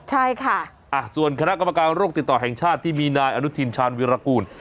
ใช่ค่ะส่วนคณะกรรมการโรคติดต่อแห่งชาติที่มีนายอนุทินชาญวิรากูล